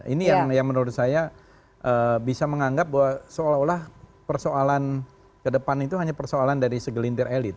ini yang menurut saya bisa menganggap bahwa seolah olah persoalan ke depan itu hanya persoalan dari segelintir elit